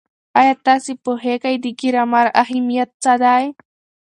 ایا تاسې پوهېږئ د ګرامر اهمیت څه دی؟